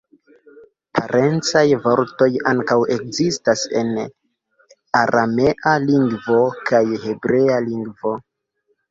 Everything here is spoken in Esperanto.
Parencaj vortoj ankaŭ ekzistas en aramea lingvo kaj hebrea lingvo.